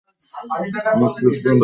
মুখ ছোট; দাঁত নেই।